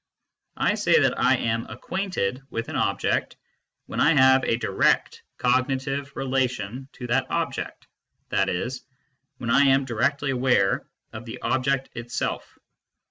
I say that I am acquainted with an object when I have a direct cognitive relation to that object, i.e. when I am directly aware of the object itself.